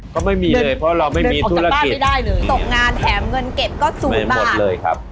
ก็ไม่มีเลยเพราะเราไม่มีธุรกิจออกจากบ้านไม่ได้เลยตกงานแถมเงินเก็บก็สูบบ้าน